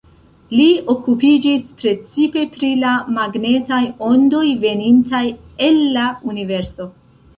Li okupiĝis precipe pri la magnetaj ondoj venintaj el la universo.